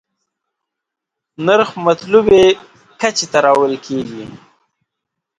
نرخ مطلوبې کچې ته راوړل کېږي.